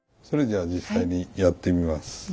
それでは実際にやってみます。